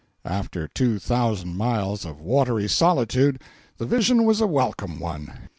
After two thousand miles of watery solitude the vision was a welcome one.